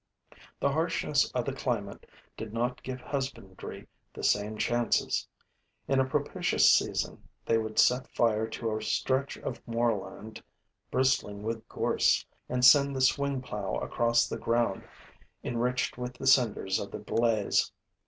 The harshness of the climate did not give husbandry the same chances. In a propitious season, they would set fire to a stretch of moorland bristling with gorse and send the swing plow across the ground enriched with the cinders of the blaze.